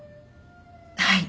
はい。